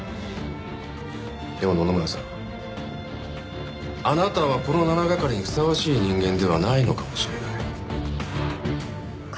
でも野々村さんあなたはこの７係にふさわしい人間ではないのかもしれない。